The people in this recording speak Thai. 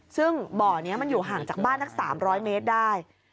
ซึ่งบ่อนี้มันอยู่ห่างจากบ้านสัก๓๐๐เมตรได้